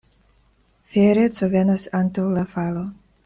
Fiereco venas antaŭ la falo.